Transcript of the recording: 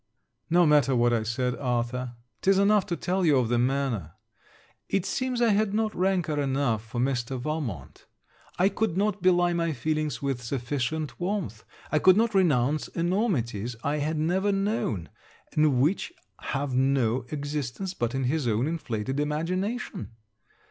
No matter what I said, Arthur. 'Tis enough to tell you of the manner. It seems I had not rancour enough for Mr. Valmont; I could not belie my feelings with sufficient warmth. I could not renounce enormities I had never known, and which have no existence but in his own inflated imagination.